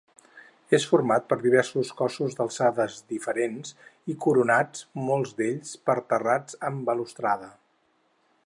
És format per diversos cossos d'alçades diferents i coronats, molts d'ells, per terrats amb balustrada.